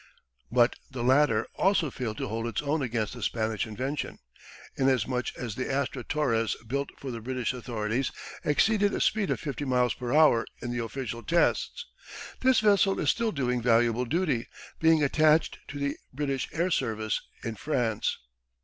But the latter also failed to hold its own against the Spanish invention, inasmuch as the Astra Torres built for the British authorities exceeded a speed of 50 miles per hour in the official tests. This vessel is still doing valuable duty, being attached to the British air service in France.